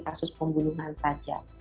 sebagai kasus pembunuhan saja